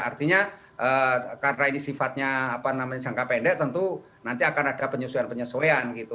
artinya karena ini sifatnya jangka pendek tentu nanti akan ada penyesuaian penyesuaian gitu